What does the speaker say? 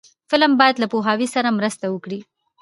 فلم باید له پوهاوي سره مرسته وکړي